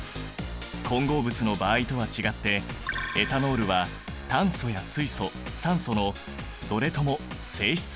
混合物の場合とは違ってエタノールは炭素や水素酸素のどれとも性質が異なっている。